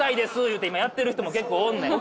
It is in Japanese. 言うて今やってる人も結構おんねん。